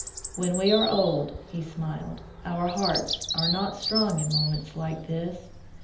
"When we are old," he smiled, "our hearts are not strong in moments like this.